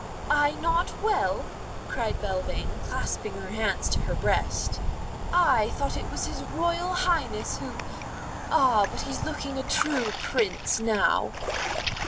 "I not well?" cried Belvane, clasping her hands to her breast. "I thought it was his Royal Highness who Ah, but he's looking a true Prince now."